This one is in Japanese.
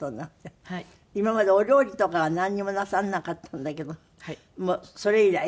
今までお料理とかはなんにもなさらなかったんだけどもうそれ以来？